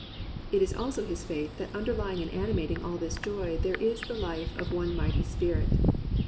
'* It is also his faith that underlying and animating all this joy there is the life of one mighty Spirit.